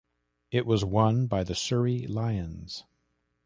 It was won by the Surrey Lions.